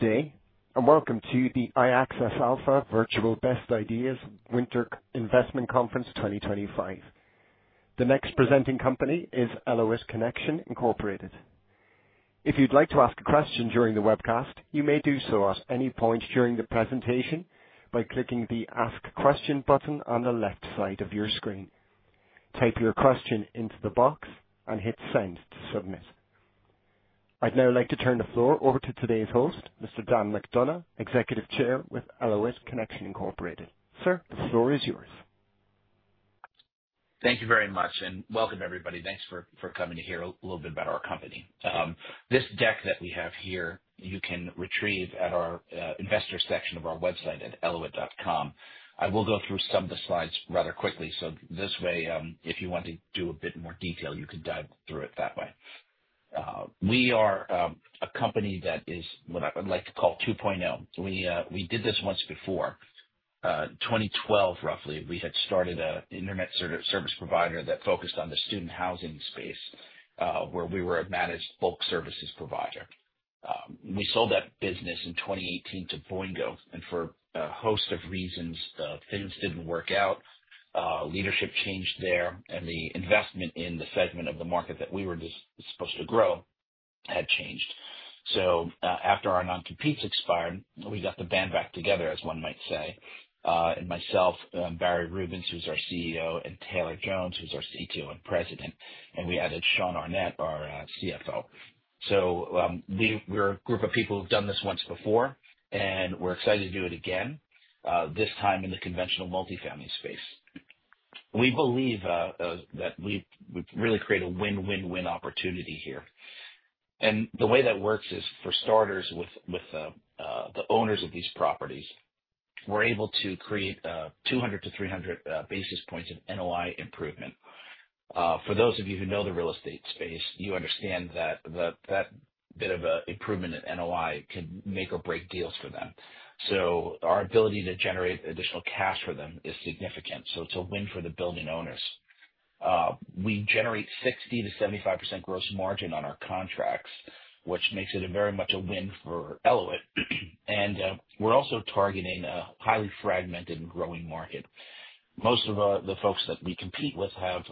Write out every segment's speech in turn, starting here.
Good day. Welcome to the iAccess Alpha Virtual Best Ideas Winter Investment Conference 2025. The next presenting company is Elauwit Connection Incorporated. If you'd like to ask a question during the webcast, you may do so at any point during the presentation by clicking the Ask Question button on the left side of your screen. Type your question into the box and hit send to submit. I'd now like to turn the floor over to today's host, Mr. Dan McDonough, Executive Chair with Elauwit Connection Incorporated. Sir, the floor is yours. Thank you very much. Welcome, everybody. Thanks for coming to hear a little bit about our company. This deck that we have here, you can retrieve at our investor section of our website at elauwit.com. I will go through some of the slides rather quickly. This way, if you want to do a bit more detail, you can dive through it that way. We are a company that is what I would like to call 2.0. We did this once before. 2012, roughly, we had started an internet service provider that focused on the student housing space, where we were a managed bulk services provider. We sold that business in 2018 to Boingo. For a host of reasons, things didn't work out. Leadership changed there. The investment in the segment of the market that we were just supposed to grow had changed. After our non-competes expired, we got the band back together, as one might say. Myself, Barry Rubens, who's our CEO, Taylor Jones, who's our CTO and President, we added Sean Arnette, our CFO. We're a group of people who've done this once before. We're excited to do it again, this time in the conventional multifamily space. We believe that we would really create a win-win-win opportunity here. The way that works is, for starters, with the owners of these properties, we're able to create 200 to 300 basis points of NOI improvement. For those of you who know the real estate space, you understand that that bit of a improvement in NOI can make or break deals for them. Our ability to generate additional cash for them is significant. It's a win for the building owners. We generate 60%-75% gross margin on our contracts, which makes it a very much a win for Elauwit. We're also targeting a highly fragmented and growing market. Most of the folks that we compete with have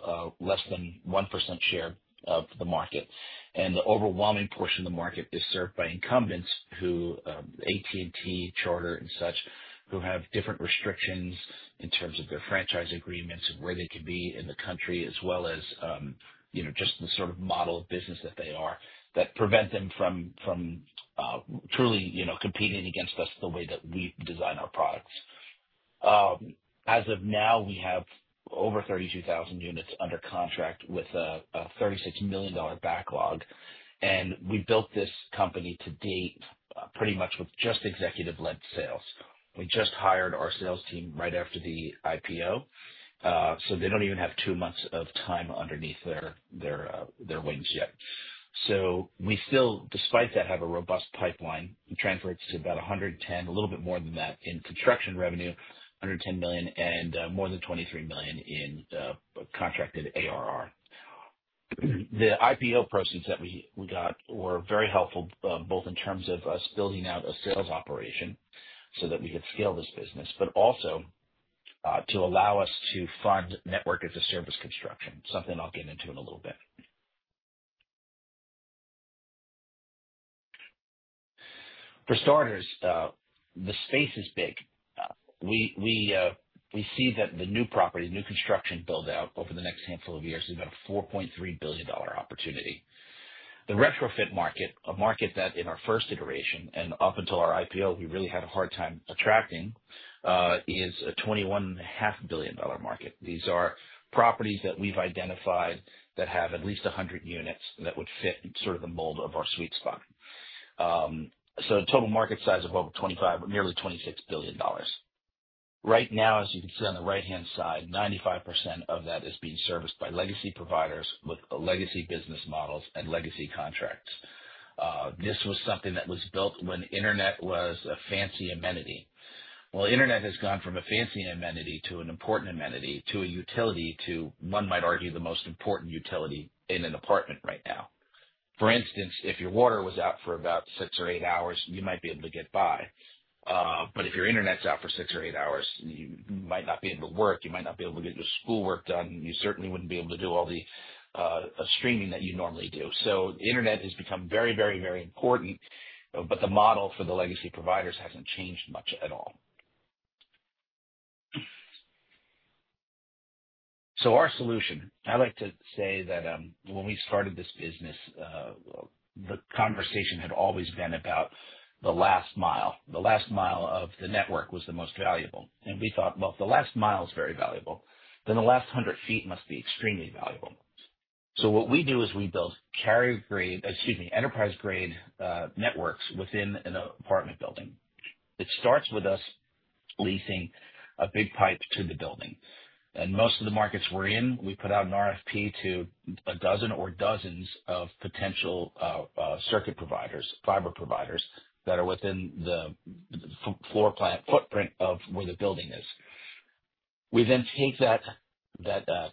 less than 1% share of the market. The overwhelming portion of the market is served by incumbents who, AT&T, Charter, and such, who have different restrictions in terms of their franchise agreements and where they can be in the country, as well as just the sort of model of business that they are, that prevent them from truly competing against us the way that we design our products. As of now, we have over 32,000 units under contract with a $36 million backlog. We built this company to date, pretty much with just executive-led sales. We just hired our sales team right after the IPO, so they don't even have two months of time underneath their wings yet. We still, despite that, have a robust pipeline. Translates to about 110, a little bit more than that in construction revenue, $110 million, and more than $23 million in contracted ARR. The IPO proceeds that we got were very helpful, both in terms of us building out a sales operation so that we could scale this business, but also to allow us to fund Network as a Service construction, something I'll get into in a little bit. For starters, the space is big. We see that the new property, the new construction build-out over the next handful of years is about a $4.3 billion opportunity. The retrofit market, a market that, in our first iteration and up until our IPO, we really had a hard time attracting, is a $21.5 billion market. These are properties that we've identified that have at least 100 units that would fit sort of the mold of our sweet spot. A total market size of over $25 billion, nearly $26 billion. Right now, as you can see on the right-hand side, 95% of that is being serviced by legacy providers with legacy business models and legacy contracts. This was something that was built when internet was a fancy amenity. Internet has gone from a fancy amenity to an important amenity to a utility to, one might argue, the most important utility in an apartment right now. For instance, if your water was out for about six or eight hours, you might be able to get by. If your internet's out for six or eight hours, you might not be able to work, you might not be able to get your schoolwork done. You certainly wouldn't be able to do all the streaming that you normally do. The internet has become very important, the model for the legacy providers hasn't changed much at all. Our solution. I like to say that, when we started this business, the conversation had always been about the last mile. The last mile of the network was the most valuable. We thought, if the last mile is very valuable, then the last 100 feet must be extremely valuable. What we do is we build carrier-grade, excuse me, enterprise-grade networks within an apartment building. It starts with us leasing a big pipe to the building. Most of the markets we're in, we put out an RFP to a dozen or dozens of potential circuit providers, fiber providers that are within the floor plan footprint of where the building is. We then take that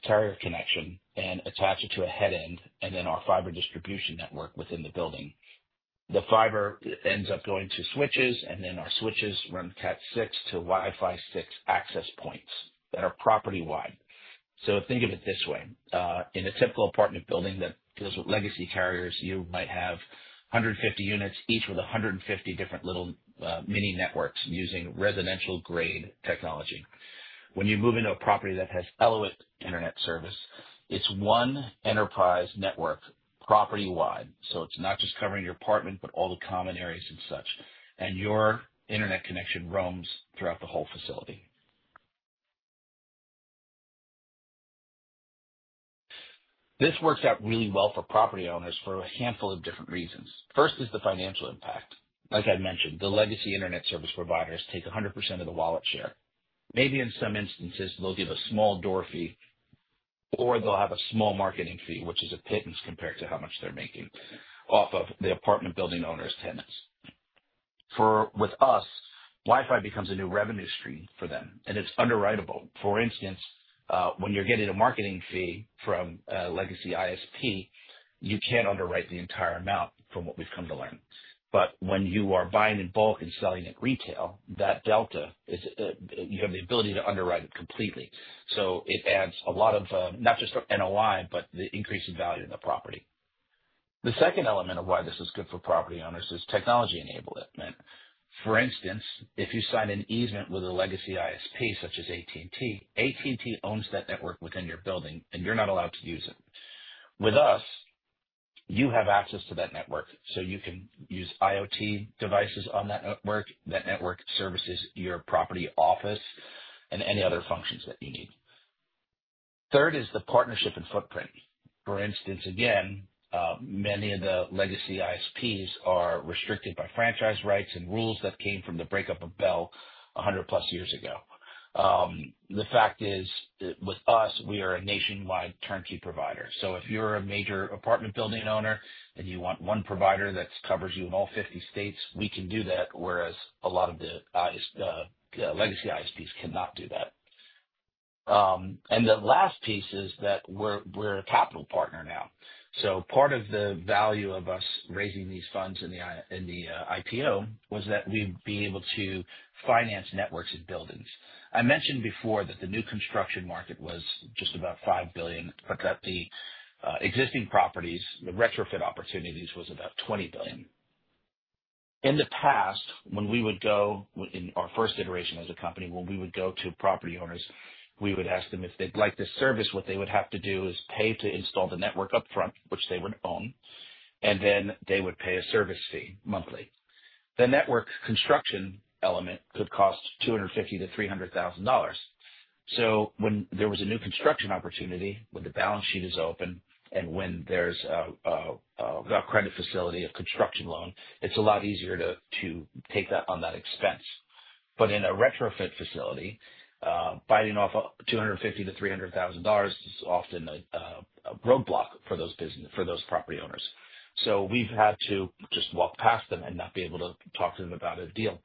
carrier connection and attach it to a headend and then our fiber distribution network within the building. The fiber ends up going to switches, and then our switches run Cat 6 to Wi-Fi 6 access points that are property-wide. Think of it this way. In a typical apartment building that deals with legacy carriers, you might have 150 units, each with 150 different little mini networks using residential grade technology. When you move into a property that has Elauwit Internet service, it's one enterprise network property-wide. It's not just covering your apartment, but all the common areas and such, and your internet connection roams throughout the whole facility. This works out really well for property owners for a handful of different reasons. First is the financial impact. Like I mentioned, the legacy internet service providers take 100% of the wallet share. Maybe in some instances, they'll give a small door fee, or they'll have a small marketing fee, which is a pittance compared to how much they're making off of the apartment building owner's tenants. With us, Wi-Fi becomes a new revenue stream for them, and it's underwriteable. For instance, when you're getting a marketing fee from a legacy ISP, you can't underwrite the entire amount from what we've come to learn. When you are buying in bulk and selling at retail, that delta is, you have the ability to underwrite it completely. It adds a lot of, not just for NOI, but the increase in value in the property. The second element of why this is good for property owners is technology enablement. For instance, if you sign an easement with a legacy ISP such as AT&T, AT&T owns that network within your building, and you're not allowed to use it. With us, you have access to that network, so you can use IoT devices on that network. That network services your property office and any other functions that you need. Third is the partnership and footprint. For instance, again, many of the legacy ISPs are restricted by franchise rights and rules that came from the breakup of Bell 100 plus years ago. The fact is, with us, we are a nationwide turnkey provider. If you're a major apartment building owner and you want one provider that covers you in all 50 states, we can do that, whereas a lot of the legacy ISPs cannot do that. The last piece is that we're a capital partner now. Part of the value of us raising these funds in the IPO was that we'd be able to finance networks in buildings. I mentioned before that the new construction market was just about $5 billion, but that the existing properties, the retrofit opportunities, was about $20 billion. In the past, when we would go, in our first iteration as a company, when we would go to property owners, we would ask them if they'd like this service. What they would have to do is pay to install the network up front, which they would own, and then they would pay a service fee monthly. The network construction element could cost $250,000-$300,000. When there was a new construction opportunity, when the balance sheet is open and when there's a credit facility, a construction loan, it's a lot easier to take that on that expense. In a retrofit facility, biting off $250,000-$300,000 is often a roadblock for those property owners. We've had to just walk past them and not be able to talk to them about a deal.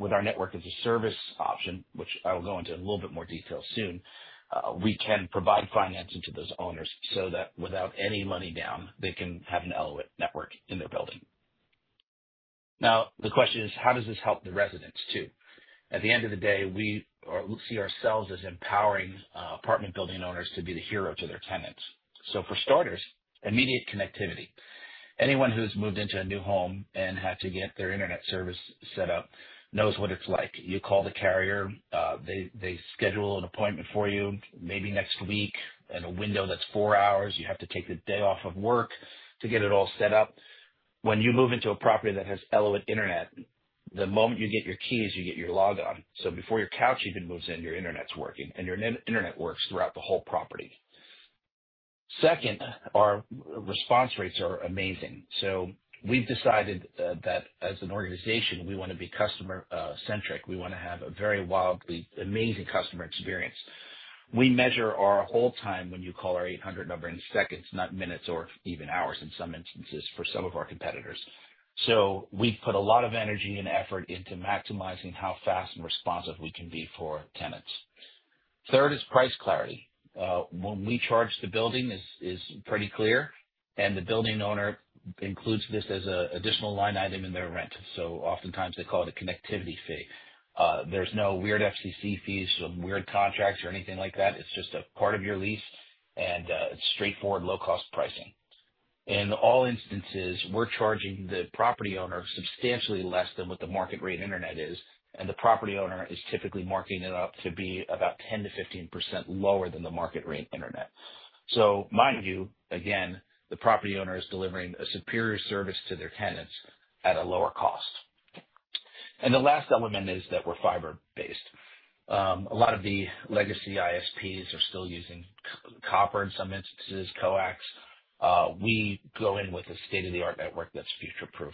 With our Network as a Service option, which I will go into in a little bit more detail soon, we can provide financing to those owners so that without any money down, they can have an Elauwit network in their building. The question is, how does this help the residents too? At the end of the day, we see ourselves as empowering apartment building owners to be the hero to their tenants. For starters, immediate connectivity. Anyone who's moved into a new home and had to get their internet service set up knows what it's like. You call the carrier, they schedule an appointment for you, maybe next week in a window that's four hours. You have to take the day off of work to get it all set up. When you move into a property that has Elauwit Internet, the moment you get your keys, you get your log on. Before your couch even moves in, your internet's working, and your internet works throughout the whole property. Second, our response rates are amazing. We've decided that as an organization, we want to be customer-centric. We want to have a very wildly amazing customer experience. We measure our hold time when you call our 800 number in seconds, not minutes or even hours in some instances for some of our competitors. We've put a lot of energy and effort into maximizing how fast and responsive we can be for tenants. Third is price clarity. What we charge the building is pretty clear, and the building owner includes this as an additional line item in their rent. Oftentimes they call it a connectivity fee. There's no weird FCC fees, weird contracts or anything like that. It's just a part of your lease and straightforward low-cost pricing. In all instances, we're charging the property owner substantially less than what the market rate internet is, and the property owner is typically marking it up to be about 10%-15% lower than the market rate internet. Mind you, again, the property owner is delivering a superior service to their tenants at a lower cost. The last element is that we're fiber-based. A lot of the legacy ISPs are still using copper, in some instances, coax. We go in with a state-of-the-art network that's future-proof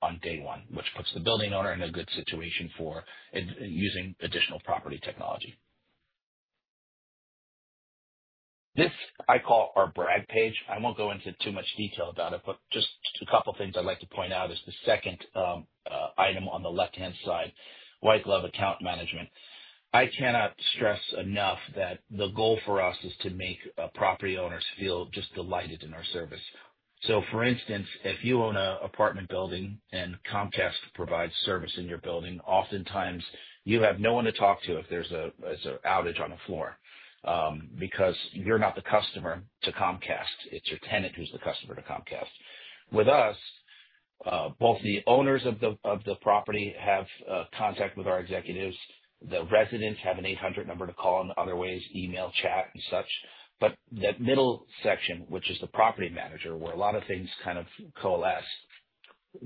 on day one, which puts the building owner in a good situation for using additional property technology. This I call our brag page. I won't go into too much detail about it, but just a couple things I'd like to point out is the second item on the left-hand side, white glove account management. I cannot stress enough that the goal for us is to make property owners feel just delighted in our service. For instance, if you own an apartment building and Comcast provides service in your building, oftentimes you have no one to talk to if there's an outage on a floor, because you're not the customer to Comcast, it's your tenant who's the customer to Comcast. With us, both the owners of the property have contact with our executives. The residents have an 800 number to call and other ways, email, chat, and such. That middle section, which is the property manager, where a lot of things kind of coalesce,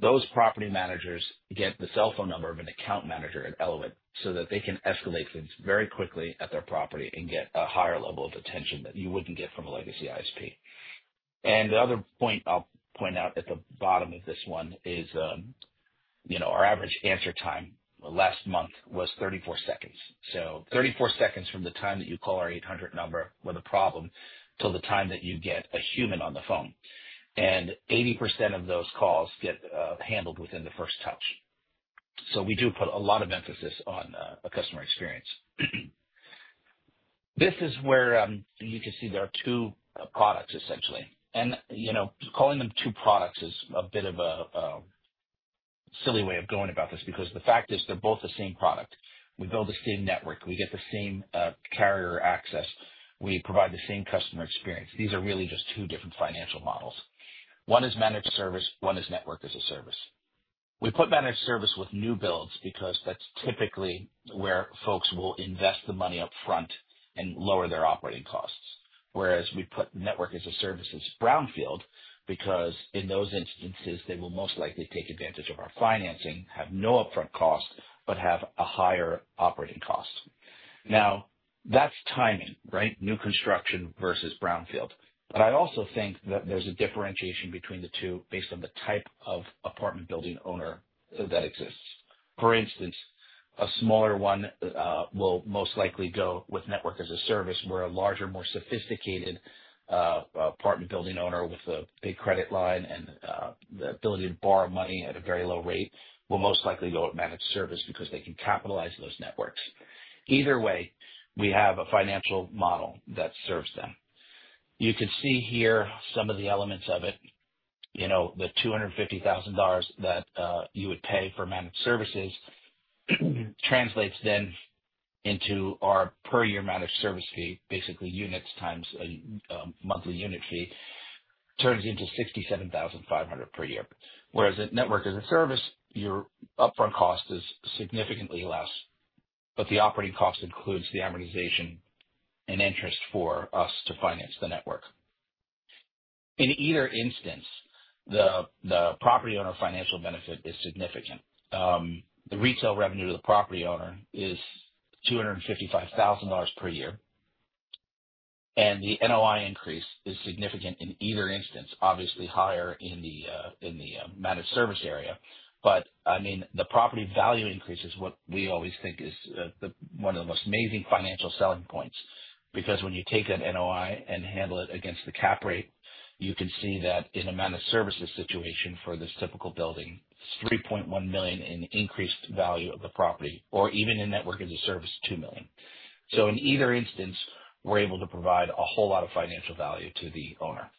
those property managers get the cell phone number of an account manager at Elauwit so that they can escalate things very quickly at their property and get a higher level of attention that you wouldn't get from a legacy ISP. The other point I'll point out at the bottom of this one is our average answer time last month was 34 seconds. 34 seconds from the time that you call our 800 number with a problem till the time that you get a human on the phone. 80% of those calls get handled within the first touch. We do put a lot of emphasis on customer experience. This is where you can see there are two products, essentially. Calling them two products is a bit of a silly way of going about this, because the fact is they're both the same product. We build the same network, we get the same carrier access, we provide the same customer experience. These are really just two different financial models. One is managed service, one is Network as a Service. We put managed service with new builds because that's typically where folks will invest the money up front and lower their operating costs. Whereas we put Network as a Service as brownfield, because in those instances, they will most likely take advantage of our financing, have no upfront cost, but have a higher operating cost. That's timing, right? New construction versus brownfield. I also think that there's a differentiation between the two based on the type of apartment building owner that exists. For instance, a smaller one will most likely go with Network as a Service, where a larger, more sophisticated apartment building owner with a big credit line and the ability to borrow money at a very low rate will most likely go with managed service because they can capitalize those networks. Either way, we have a financial model that serves them. You can see here some of the elements of it. The $250,000 that you would pay for managed services translates into our per year managed service fee. Basically, units times a monthly unit fee turns into $67,500 per year. A Network as a Service, your upfront cost is significantly less, but the operating cost includes the amortization and interest for us to finance the network. In either instance, the property owner financial benefit is significant. The retail revenue to the property owner is $255,000 per year. The NOI increase is significant in either instance, obviously higher in the managed service area. The property value increase is what we always think is one of the most amazing financial selling points, because when you take that NOI and handle it against the cap rate, you can see that in a managed services situation for this typical building, it's $3.1 million in increased value of the property, or even in Network as a Service, $2 million. In either instance, we're able to provide a whole lot of financial value to the owner.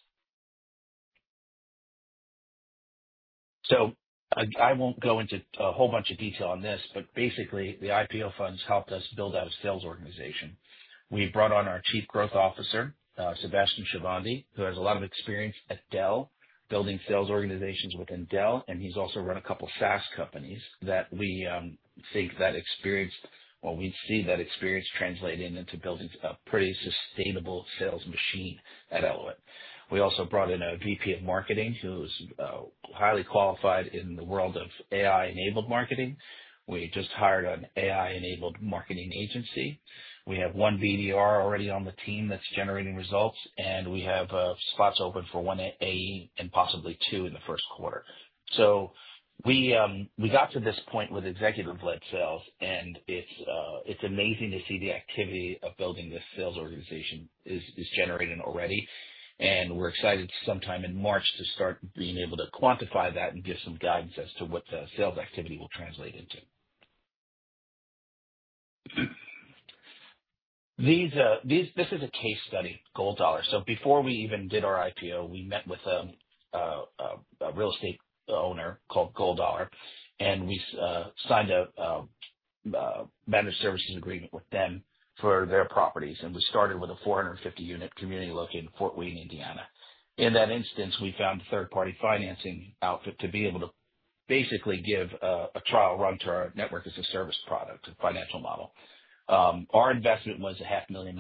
I won't go into a whole bunch of detail on this, but basically the IPO funds helped us build out a sales organization. We brought on our Chief Growth Officer, Sebastian Shahvandi, who has a lot of experience at Dell, building sales organizations within Dell, and he's also run a couple of SaaS companies that we see that experience translating into building a pretty sustainable sales machine at Elauwit. We also brought in a VP of marketing who's highly qualified in the world of AI-enabled marketing. We just hired an AI-enabled marketing agency. We have one BDR already on the team that's generating results, and we have spots open for one AE and possibly two in the first quarter. We got to this point with executive-led sales, and it's amazing to see the activity of building this sales organization is generating already. We're excited sometime in March to start being able to quantify that and give some guidance as to what the sales activity will translate into. This is a case study, Gold Dollar. Before we even did our IPO, we met with a real estate owner called Gold Dollar, and we signed a managed service agreement with them for their properties. We started with a 450 unit community located in Fort Wayne, Indiana. In that instance, we found a third-party financing outfit to be able to basically give a trial run to our Network as a Service product financial model. Our investment was $0.5 million.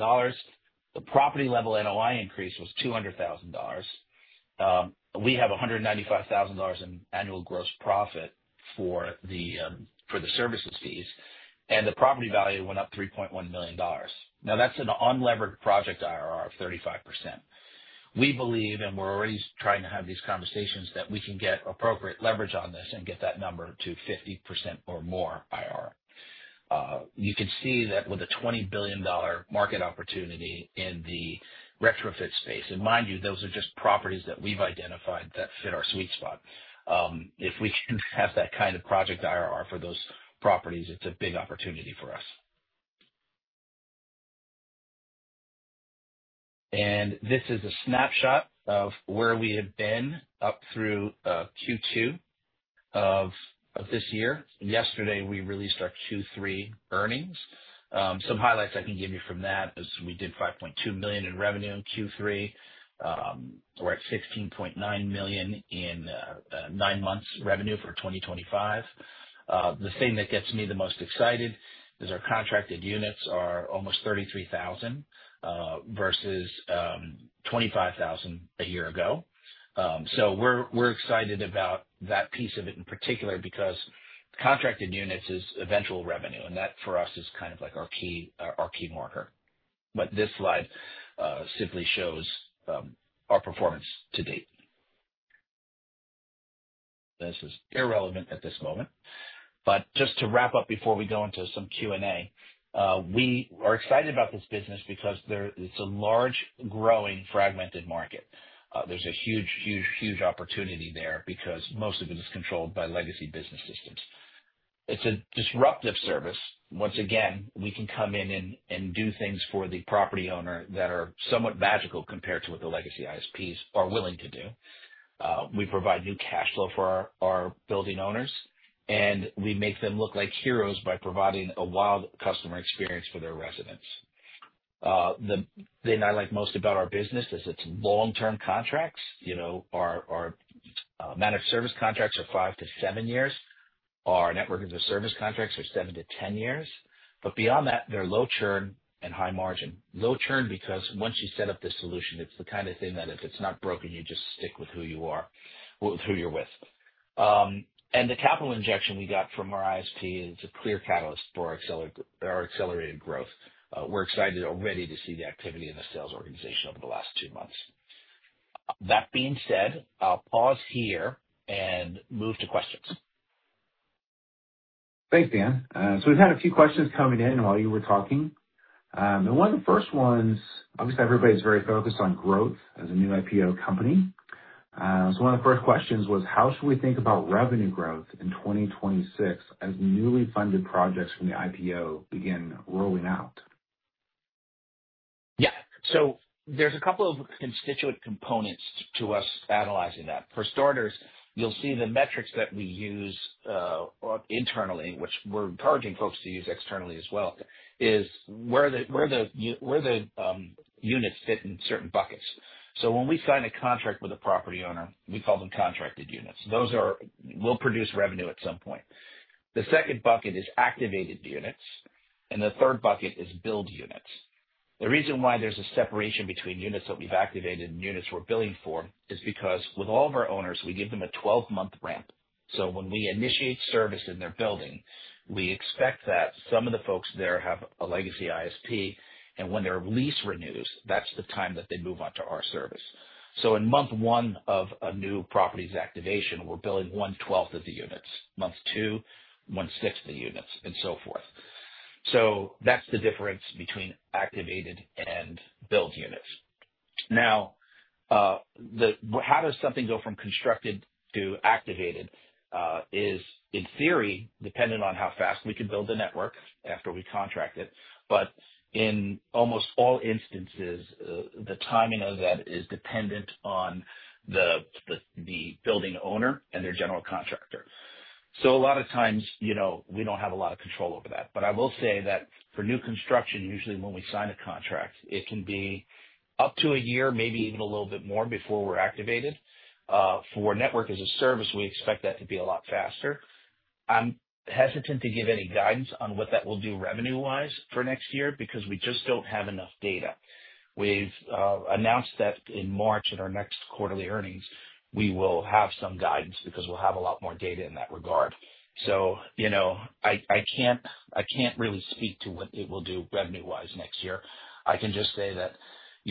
The property level NOI increase was $200,000. We have $195,000 in annual gross profit for the services fees, and the property value went up $3.1 million. That's an unlevered project IRR of 35%. We believe, and we're already trying to have these conversations, that we can get appropriate leverage on this and get that number to 50% or more IRR. You can see that with a $20 billion market opportunity in the retrofit space, and mind you, those are just properties that we've identified that fit our sweet spot. If we can have that kind of project IRR for those properties, it's a big opportunity for us. This is a snapshot of where we have been up through Q2 of this year. Yesterday, we released our Q3 earnings. Some highlights I can give you from that is we did $5.2 million in revenue in Q3. We're at $16.9 million in nine months revenue for 2025. The thing that gets me the most excited is our contracted units are almost 33,000, versus 25,000 a year ago. We're excited about that piece of it, in particular, because contracted units is eventual revenue, and that, for us, is our key marker. This slide simply shows our performance to date. This is irrelevant at this moment, but just to wrap up before we go into some Q&A. We are excited about this business because it's a large, growing, fragmented market. There's a huge opportunity there because most of it is controlled by legacy business systems. It's a disruptive service. Once again, we can come in and do things for the property owner that are somewhat magical compared to what the legacy ISPs are willing to do. We provide new cash flow for our building owners, and we make them look like heroes by providing a wild customer experience for their residents. The thing I like most about our business is its long-term contracts. Our managed service contracts are five-seven years. Our Network as a Service contracts are seven-10 years. Beyond that, they're low churn and high margin. Low churn because once you set up the solution, it's the kind of thing that if it's not broken, you just stick with who you're with. The capital injection we got from our ISP is a clear catalyst for our accelerated growth. We're excited already to see the activity in the sales organization over the last two months. That being said, I'll pause here and move to questions. Thanks, Dan. We've had a few questions coming in while you were talking. One of the first ones, obviously, everybody's very focused on growth as a new IPO company. One of the first questions was how should we think about revenue growth in 2026 as newly funded projects from the IPO begin rolling out? Yeah. There's a couple of constituent components to us analyzing that. For starters, you'll see the metrics that we use internally, which we're encouraging folks to use externally as well, is where the units fit in certain buckets. When we sign a contract with a property owner, we call them contracted units. Those will produce revenue at some point. The second bucket is activated units, and the third bucket is build units. The reason why there's a separation between units that we've activated and units we're billing for is because with all of our owners, we give them a 12-month ramp. When we initiate service in their building, we expect that some of the folks there have a legacy ISP, and when their lease renews, that's the time that they move on to our service. In month one of a new property's activation, we're billing one twelfth of the units. Month two, one sixth of the units, and so forth. That's the difference between activated and build units. Now, how does something go from constructed to activated? Is, in theory, dependent on how fast we can build the network after we contract it. In almost all instances, the timing of that is dependent on the building owner and their general contractor. A lot of times, we don't have a lot of control over that. I will say that for new construction, usually when we sign a contract, it can be up to a year, maybe even a little bit more before we're activated. For Network as a Service, we expect that to be a lot faster. I'm hesitant to give any guidance on what that will do revenue-wise for next year because we just don't have enough data. We've announced that in March, at our next quarterly earnings, we will have some guidance because we'll have a lot more data in that regard. I can't really speak to what it will do revenue-wise next year. I can just say that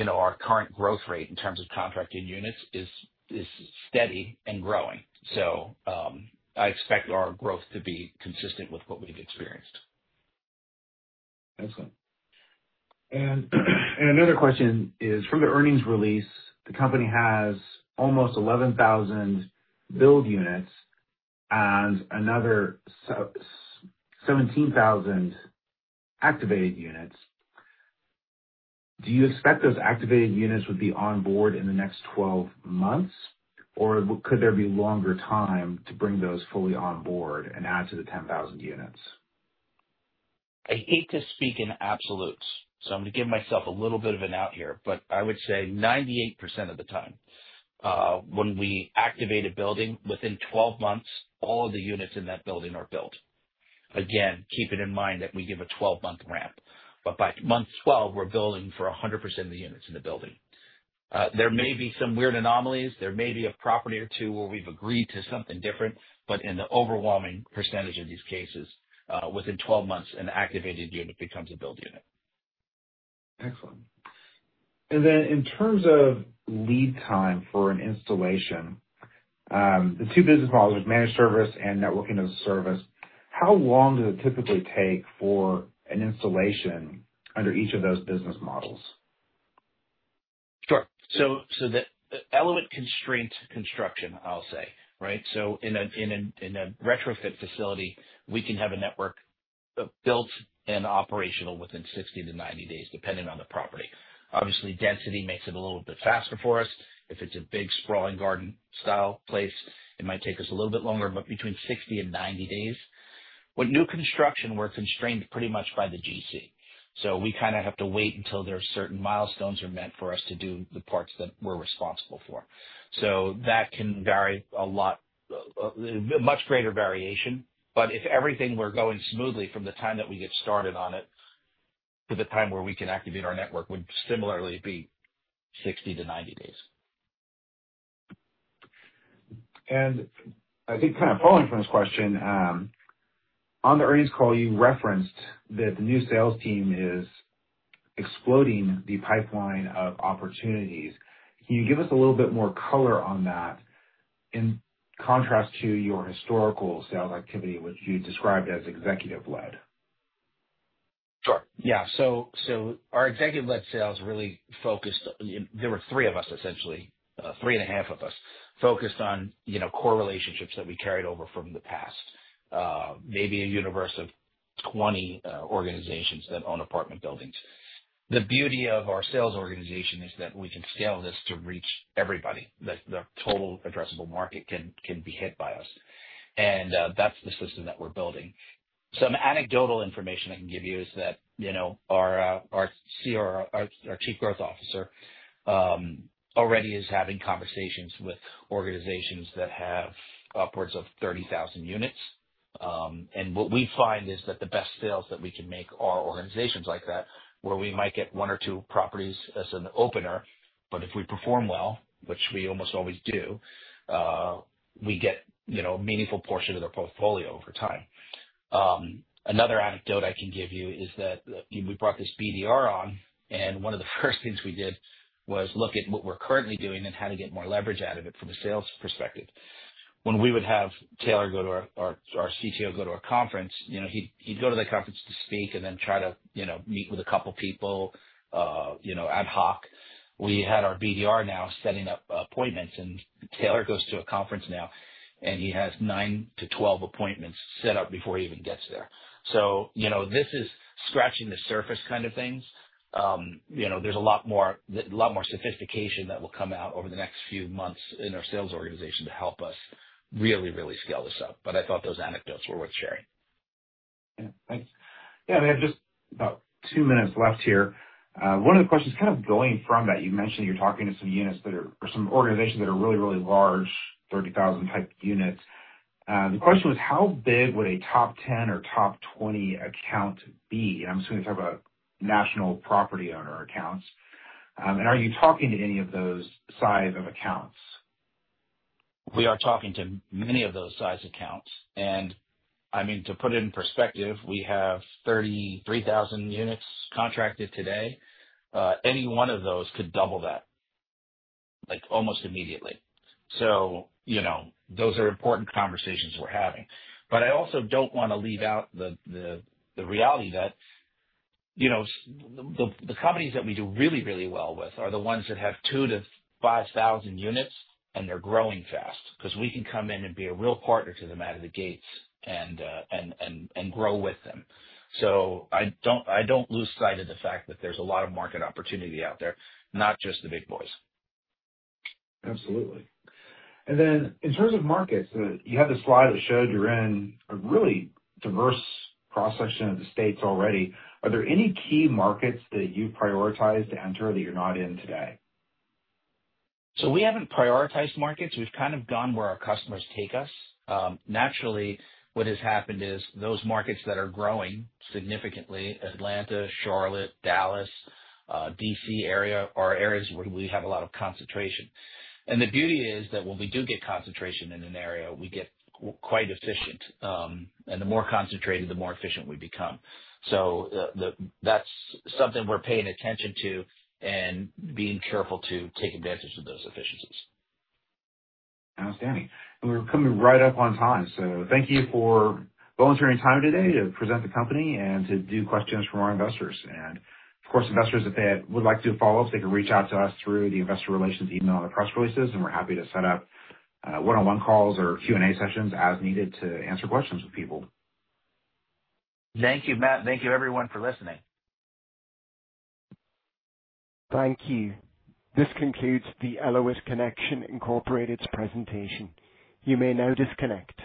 our current growth rate in terms of contracted units is steady and growing. I expect our growth to be consistent with what we've experienced. Excellent. Another question is, from the earnings release, the company has almost 11,000 build units and another 17,000 activated units. Do you expect those activated units would be on board in the next 12 months, or could there be longer time to bring those fully on board and add to the 10,000 units? I hate to speak in absolutes, so I'm going to give myself a little bit of an out here. I would say 98% of the time. When we activate a building, within 12 months, all of the units in that building are built. Again, keeping in mind that we give a 12-month ramp. By month 12, we're billing for 100% of the units in the building. There may be some weird anomalies. There may be a property or two where we've agreed to something different, but in the overwhelming percentage of these cases, within 12 months, an activated unit becomes a build unit. Excellent. Then in terms of lead time for an installation, the two business models, managed service and Networking-as-a-Service, how long does it typically take for an installation under each of those business models? Sure. The Elauwit Connection construction, I'll say, right? In a retrofit facility, we can have a network built and operational within 60-90 days, depending on the property. Obviously, density makes it a little bit faster for us. If it's a big, sprawling garden-style place, it might take us a little bit longer, but between 60 and 90 days. With new construction, we're constrained pretty much by the GC. We kind of have to wait until there are certain milestones are met for us to do the parts that we're responsible for. That can vary a lot, much greater variation. If everything were going smoothly from the time that we get started on it to the time where we can activate our network would similarly be 60-90 days. I think kind of following from this question, on the earnings call, you referenced that the new sales team is exploding the pipeline of opportunities. Can you give us a little bit more color on that in contrast to your historical sales activity, which you described as executive-led? Sure, yeah. Our executive-led sales really focused. There were three of us, essentially, three and a half of us, focused on core relationships that we carried over from the past. Maybe a universe of 20 organizations that own apartment buildings. The beauty of our sales organization is that we can scale this to reach everybody, that the total addressable market can be hit by us. That's the system that we're building. Some anecdotal information I can give you is that our Chief Growth Officer already is having conversations with organizations that have upwards of 30,000 units. What we find is that the best sales that we can make are organizations like that, where we might get one or two properties as an opener, but if we perform well, which we almost always do, we get a meaningful portion of their portfolio over time. Another anecdote I can give you is that we brought this BDR on. One of the first things we did was look at what we're currently doing and how to get more leverage out of it from a sales perspective. When we would have Taylor, our CTO, go to a conference, he'd go to the conference to speak and then try to meet with a couple people ad hoc. We had our BDR now setting up appointments. Taylor goes to a conference now, and he has nine-12 appointments set up before he even gets there. This is scratching the surface kind of things. There's a lot more sophistication that will come out over the next few months in our sales organization to help us really scale this up. I thought those anecdotes were worth sharing. Thanks. We have just about two minutes left here. One of the questions kind of going from that, you mentioned you're talking to some organizations that are really large, 30,000 type units. The question was how big would a top 10 or top 20 account be? I'm assuming you're talking about national property owner accounts. Are you talking to any of those size of accounts? We are talking to many of those size accounts. To put it in perspective, we have 33,000 units contracted today. Any one of those could double that, almost immediately. Those are important conversations we're having. I also don't want to leave out the reality that the companies that we do really well with are the ones that have 2,000 to 5,000 units and they're growing fast. We can come in and be a real partner to them out of the gates and grow with them. I don't lose sight of the fact that there's a lot of market opportunity out there, not just the big boys. Absolutely. In terms of markets, you have the slide that showed you're in a really diverse cross-section of the states already. Are there any key markets that you prioritize to enter that you're not in today? We haven't prioritized markets. We've kind of gone where our customers take us. Naturally, what has happened is those markets that are growing significantly, Atlanta, Charlotte, Dallas, D.C. area, are areas where we have a lot of concentration. The beauty is that when we do get concentration in an area, we get quite efficient. The more concentrated, the more efficient we become. That's something we're paying attention to and being careful to take advantage of those efficiencies. Outstanding. We're coming right up on time. Thank you for volunteering time today to present the company and to do questions from our investors. Of course, investors, if they would like to follow up, they can reach out to us through the investor relations email on the press releases, and we're happy to set up one-on-one calls or Q&A sessions as needed to answer questions with people. Thank you, Matt. Thank you, everyone, for listening. Thank you. This concludes the Elauwit Connection Incorporated's presentation. You may now disconnect.